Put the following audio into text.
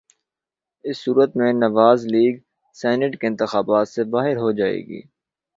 اس صورت میں Nawaz league senate کے انتخابات سے باہر ہو جائے گی۔